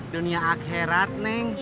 dunia akherat neng